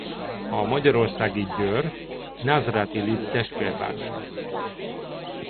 A magyarországi Győr Nazrat-Illit testvérvárosa.